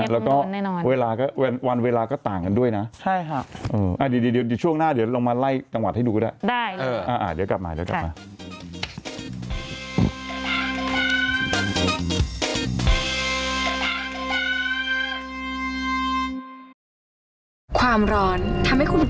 แล้วก็เวลาก็วันเวลาก็ต่างกันด้วยนะใช่ค่ะเดี๋ยวช่วงหน้าเดี๋ยวลองมาไล่จังหวัดให้ดูก็ได้